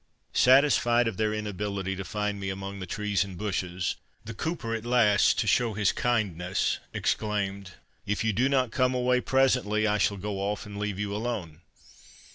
Satisfied of their inability to find me among the trees and bushes, the cooper at last, to show his kindness, exclaimed, "If you do not come away presently, I shall go off and leave you alone."